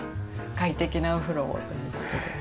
快適なお風呂をという事で。